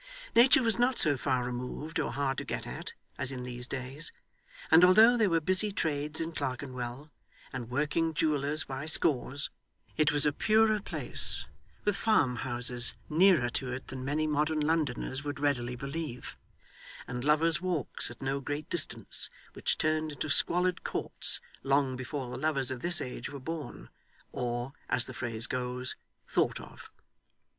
Nature was not so far removed, or hard to get at, as in these days; and although there were busy trades in Clerkenwell, and working jewellers by scores, it was a purer place, with farm houses nearer to it than many modern Londoners would readily believe, and lovers' walks at no great distance, which turned into squalid courts, long before the lovers of this age were born, or, as the phrase goes, thought of.